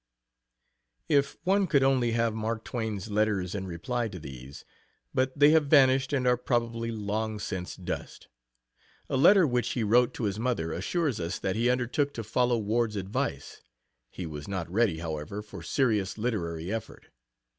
If one could only have Mark Twain's letters in reply to these! but they have vanished and are probably long since dust. A letter which he wrote to his mother assures us that he undertook to follow Ward's advice. He was not ready, however, for serious literary effort.